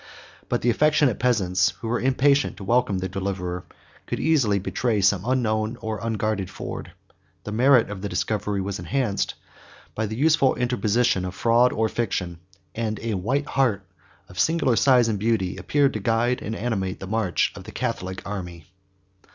But the affectionate peasants who were impatient to welcome their deliverer, could easily betray some unknown or unguarded ford: the merit of the discovery was enhanced by the useful interposition of fraud or fiction; and a white hart, of singular size and beauty, appeared to guide and animate the march of the Catholic army.